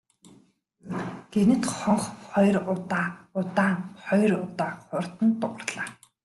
Гэнэт хонх хоёр удаа удаан, хоёр удаа хурдан дуугарлаа.